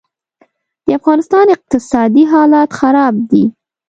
دافغانستان اقتصادي حالات خراب دي